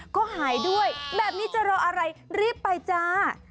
ก็หายด้วยแบบนี้จะรออะไรรีบไปจ้า